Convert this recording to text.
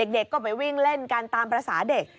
เด็กก็ไปวิ่งเล่นกันตามภาษาเด็ก